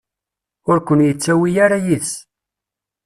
Ur ken-yettawi ara yid-s.